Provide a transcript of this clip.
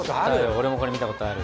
俺もこれ見たことある。